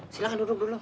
silahkan duduk dulu